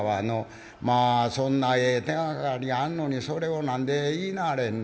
「まあそんなええ手がかりあんのにそれを何で言いなはれんね。